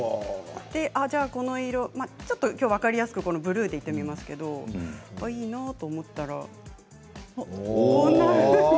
じゃあ、この色きょうは分かりやすくブルーでいってみますけどいいなと思ったらこんなふうに。